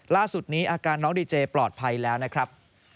ล่าสุดนี้อาการน้องดีเจปลอดภัยแล้วนะครับ